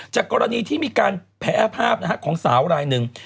กรณีที่มีการแพ้ภาพของสาวรายหนึ่ง